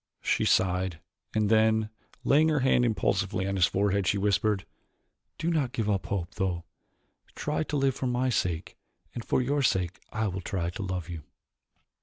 She sighed, and then, laying her hand impulsively on his forehead, she whispered, "Do not give up hope, though. Try to live for my sake and for your sake I will try to love you."